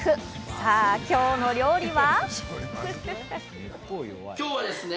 さぁ、今日の料理は。